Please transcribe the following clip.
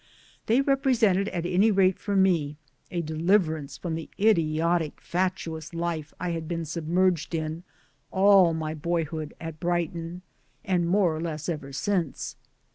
They represented at any rate for me a deliverance from the idiotic fatuous life I had been submerged in all my boyhood at Brighton, and more or less ever since.